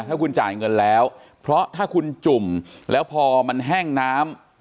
ถ้าคุณจ่ายเงินแล้วเพราะถ้าคุณจุ่มแล้วพอมันแห้งน้ำ